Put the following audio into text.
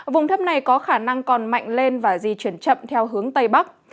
vùng thấp này có khả năng còn mạnh lên và di chuyển chậm theo hướng tây bắc